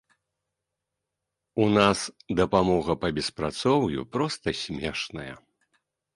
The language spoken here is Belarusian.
У нас дапамога па беспрацоўю проста смешная.